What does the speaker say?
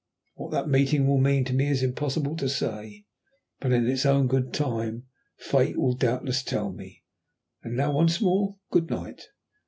What that meeting will mean to me it is impossible to say, but in its own good time Fate will doubtless tell me. And now, once more, good night."